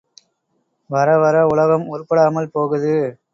வரவர உலகம் உருப்படாமல் போகுது.